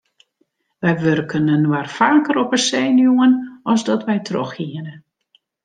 Wy wurken inoar faker op 'e senuwen as dat wy trochhiene.